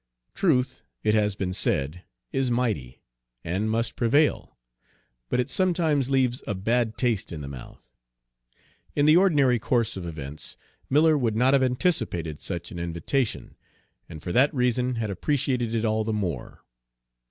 Truth, it has been said, is mighty, and must prevail; but it sometimes leaves a bad taste in the mouth. In the ordinary course of events Miller would not have anticipated such an invitation, and for that reason had appreciated it all the more.